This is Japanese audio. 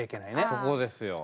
そこですよ。